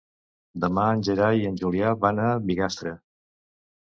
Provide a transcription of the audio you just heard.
Demà en Gerai i en Julià van a Bigastre.